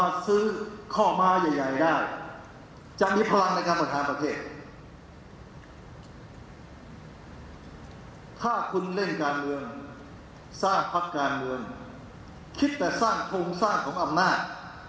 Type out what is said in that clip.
ถ้าคุณเล่นการเมืองสร้างพักการเมืองคิดแต่สร้างโครงสร้างของอำนาจ